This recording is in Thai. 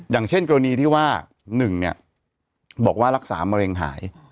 อย่างเช่นกรณีที่ว่า๑เนี่ยบอกว่ารักษามะเร็งหาย